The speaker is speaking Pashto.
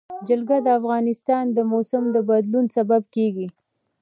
جلګه د افغانستان د موسم د بدلون سبب کېږي.